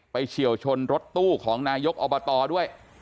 เฉียวชนรถตู้ของนายกอบตด้วย